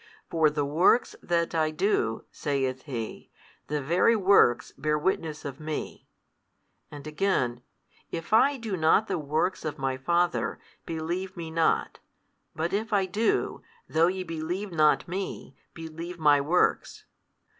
For the works that I do (saith He) the very works bear witness of Me, and again, If I do not the works of My Father, believe Me not, but if I do, though ye believe not Me, believe My works.